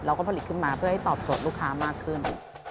ผลิตขึ้นมาเพื่อให้ตอบโจทย์ลูกค้ามากขึ้น